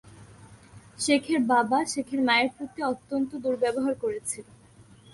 শেখের বাবা শেখের মায়ের প্রতি অত্যন্ত দুর্ব্যবহার করেছিল।